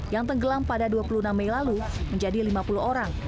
yang tenggelam pada dua puluh enam mei lalu menjadi lima puluh orang